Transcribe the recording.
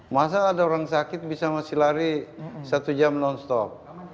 masa ada orang sakit bisa masih lari satu jam non stop